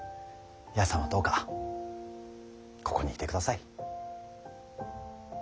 八重さんはどうかここにいてください。